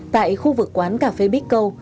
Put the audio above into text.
tại khu vực quán cà phê bích câu